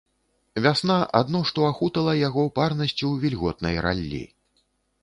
Вясна адно што ахутала яго парнасцю вільготнай раллі.